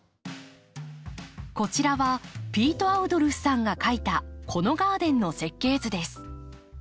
こちらはピート・アウドルフさんが書いたこのガーデンの設計図です。